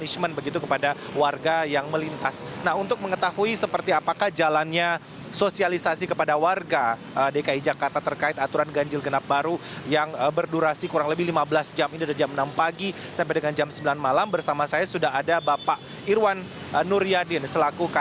saya ingin melihat aturan yang masih baru pak